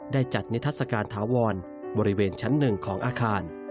ได้จัดนิทัศน์การถาวรบริเวณชั้นหนึ่งของอาคาร